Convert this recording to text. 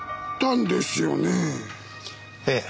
ええ。